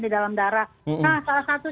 di dalam darah nah salah satu